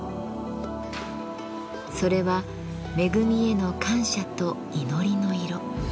それは恵みへの感謝と祈りの色。